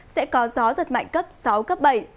sẽ có gió rất mạnh cấp